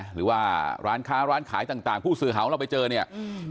หรือว่าร้านค้าร้านขายต่างต่างผู้สื่อข่าวของเราไปเจอเนี่ยอืม